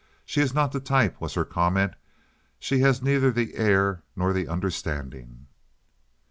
"She is not the type," was her comment. "She has neither the air nor the understanding."